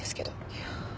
いや。